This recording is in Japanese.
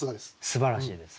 すばらしいです。